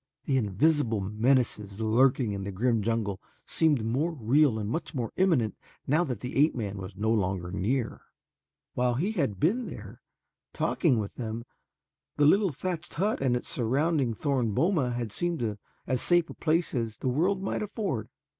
The invisible menaces lurking in the grim jungle seemed more real and much more imminent now that the ape man was no longer near. While he had been there talking with them, the little thatched hut and its surrounding thorn boma had seemed as safe a place as the world might afford.